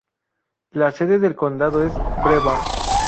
La sede del condado es Brevard.